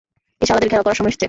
ওই শালাদের ঘেরাও করার সময় এসেছে।